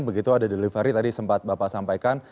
begitu ada delivery tadi sempat bapak sampaikan